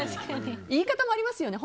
言い方もありますよね。